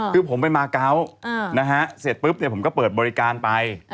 คือผมไปมาเกาะเสร็จปุ๊บผมก็เปิดบริการไป